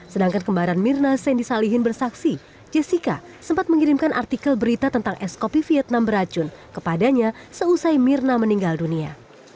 sedangkan kembaran mirna sandy salihin bersaksi jessica sempat mengirimkan artikel berita tentang es kopi vietnam beracun kepadanya seusai mirna meninggal dunia